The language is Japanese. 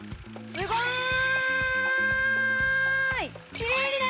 すごーい！